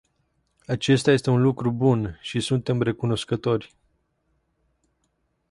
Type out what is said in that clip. Acesta este un lucru bun și suntem recunoscători.